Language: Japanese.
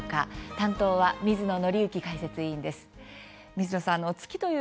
担当は水野倫之解説委員です。